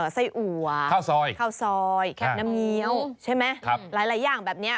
ไส้อัวข้าวซอยข้าวซอยแคบน้ำเงี้ยวใช่ไหมหลายอย่างแบบนี้